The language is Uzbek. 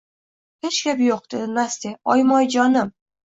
Hech gap yoʻq, – dedi Nastya. – Oyim, oyijonim…